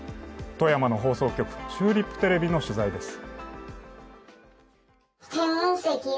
富山の放送局、チューリップテレビの取材です。